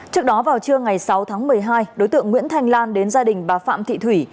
trước đó vào trưa ngày sáu tháng một mươi hai đối tượng nguyễn thanh lan đến gia đình bà phạm thị thủy